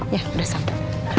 ya udah sampe